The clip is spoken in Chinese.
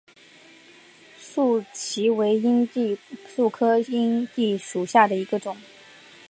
蕨萁为阴地蕨科阴地蕨属下的一个种。